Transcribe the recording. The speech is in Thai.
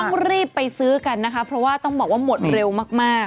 ต้องรีบไปซื้อกันนะคะเพราะว่าต้องบอกว่าหมดเร็วมาก